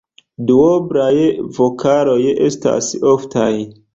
Duoblaj vokaloj estas oftaj.